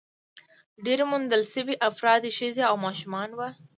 ډېری موندل شوي افراد ښځې او ماشومان وو.